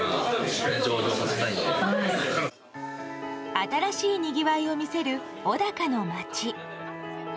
新しいにぎわいを見せる小高の町。